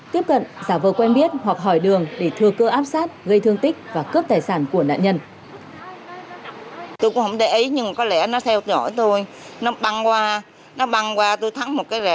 tiếp cận giả vờ quen biết hoặc hỏi đường để thừa cơ áp sát gây thương tích và cướp tài sản của nạn nhân